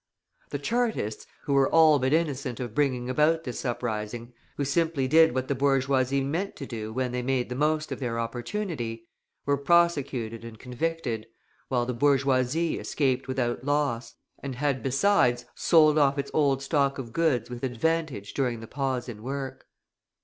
The Chartists, who were all but innocent of bringing about this uprising, who simply did what the bourgeoisie meant to do when they made the most of their opportunity, were prosecuted and convicted, while the bourgeoisie escaped without loss, and had, besides, sold off its old stock of goods with advantage during the pause in work.